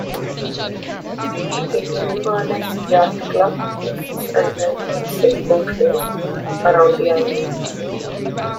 The Inverness Yacht Club hosts an annual sailboat race around the island.